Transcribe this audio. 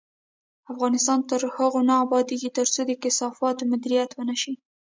افغانستان تر هغو نه ابادیږي، ترڅو د کثافاتو مدیریت ونشي.